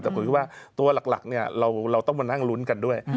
แต่ผมคิดว่าตัวหลักเราต้องมานั่งลุ้นกันด้วย